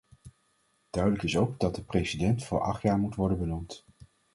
Duidelijk is ook dat de president voor acht jaar moet worden benoemd.